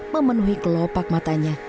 memenuhi kelopak matanya